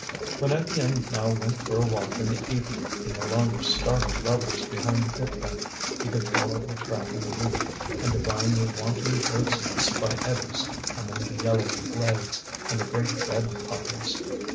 When Étienne now went for a walk in the evening he no longer startled lovers behind the pit bank. He could follow their track in the wheat and divine their wanton birds' nests by eddies among the yellowing blades and the great red poppies.